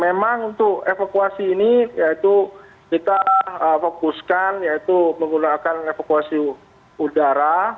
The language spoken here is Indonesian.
memang untuk evakuasi ini yaitu kita fokuskan yaitu menggunakan evakuasi udara